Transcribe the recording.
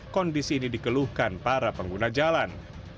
kondisi ini dikeluhkan para pengguna jalan